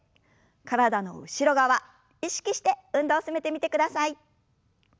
体の後ろ側意識して運動を進めてみてください。